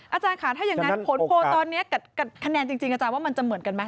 อาจารย์ค่ะถ้าอย่างนั้นผลโพลตอนนี้คะแนนจริงอาจารย์ว่ามันจะเหมือนกันไหม